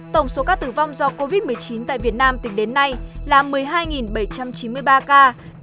tổng số ca tử vong do covid một mươi chín tại việt nam tính đến nay là một mươi hai bảy trăm chín mươi ba ca